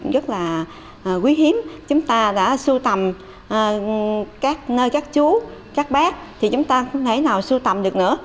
rất là quý hiếm chúng ta đã sưu tầm các nơi các chú các bác thì chúng ta không thể nào sưu tầm được nữa